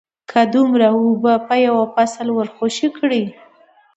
که دومره اوبه په یو فصل ورخوشې کړې